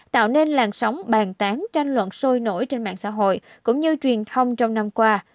tạo nên làn sóng bàn tán tranh luận sôi nổi trên mạng xã hội cũng như truyền thông trong năm qua